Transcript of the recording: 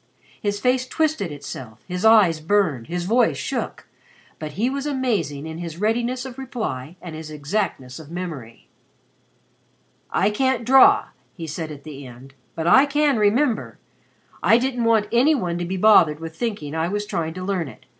His face twisted itself, his eyes burned, his voice shook, but he was amazing in his readiness of reply and his exactness of memory. "I can't draw," he said at the end. "But I can remember. I didn't want any one to be bothered with thinking I was trying to learn it.